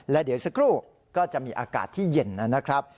และเดี๋ยวสักครู่ก็จะมีอากาศที่เย็นนะครับ